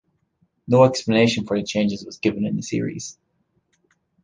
No explanation for the changes was given in the series.